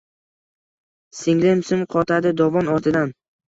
Singlim sim qoqadi dovon ortidan